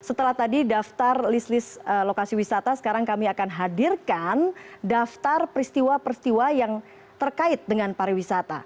setelah tadi daftar list list lokasi wisata sekarang kami akan hadirkan daftar peristiwa peristiwa yang terkait dengan pariwisata